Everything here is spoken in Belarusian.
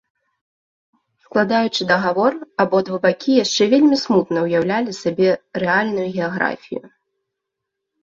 Складаючы дагавор, абодва бакі яшчэ вельмі смутна ўяўлялі сабе рэальную геаграфію.